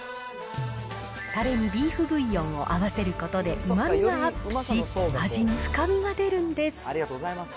たれにビーフブイヨンを合わせることで、うまみがアップし、味に深みが出るんです。